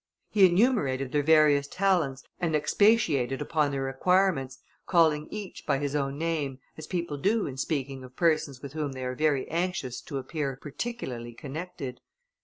He enumerated their various talents and expatiated upon their acquirements, calling each by his own name, as people do in speaking of persons with whom they are very anxious to appear particularly connected.